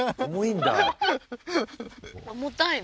重たいの？